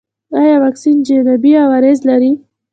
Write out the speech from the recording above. ایا واکسین جانبي عوارض لري؟